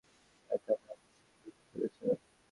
এটা আমার সুখ দুঃখের সাথী ছিলো।